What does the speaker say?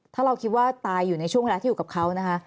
ถ้าเราคิดว่าตายอยู่ในช่วงเวลาที่อยู่กับเขานะคะ